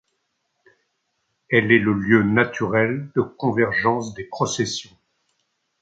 Elle est le lieu naturel de convergence des processions.